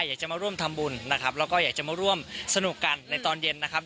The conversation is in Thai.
อยากจะมาร่วมทำบุญนะครับแล้วก็อยากจะมาร่วมสนุกกันในตอนเย็นนะครับ